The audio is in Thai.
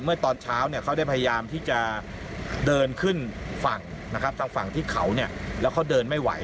เมื่อตอนเช้าเขาได้พยายามที่จะเดินขึ้นฝั่งนะครับทางฝั่งที่เขาเนี่ยแล้วเขาเดินไม่ไหว